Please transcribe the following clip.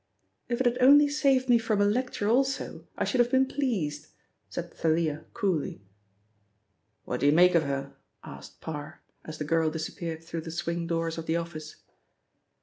"If it had only saved me from a lecture also, I should have been pleased," said Thalia coolly. "What do you make of her?" asked Parr, as the girl disappeared through the swing doors of the office.